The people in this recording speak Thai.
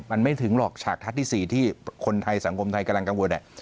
มันไม่ถึงหรอกฉากทัศน์ที่๔ที่คนไทยสังคมไทยกำลังกังวล